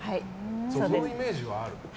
そのイメージはある。